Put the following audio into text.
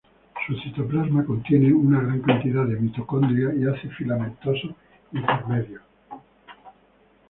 Su citoplasma contiene una gran cantidad de mitocondrias y hacen filamentosos intermedios.